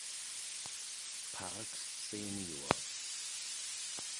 Parks sr.